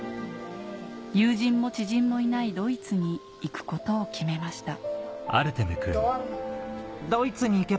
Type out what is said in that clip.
友人も知人もいないドイツに行くことを決めました